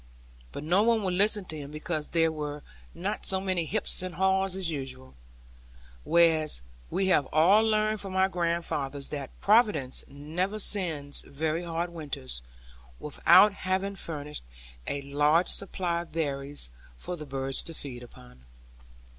But no one would listen to him because there were not so many hips and haws as usual; whereas we have all learned from our grandfathers that Providence never sends very hard winters, without having furnished a large supply of berries for the birds to feed upon.